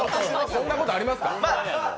こんなことありますか？